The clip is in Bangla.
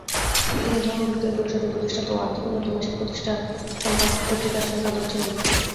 তিনি ধনবিজ্ঞান পরিষদের প্রতিষ্ঠাতা ও 'আর্থিক উন্নতি' মাসিক পত্রিকার সম্পাদক ছিলেন।